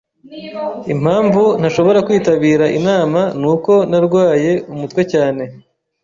Impamvu ntashobora kwitabira inama nuko narwaye umutwe cyane.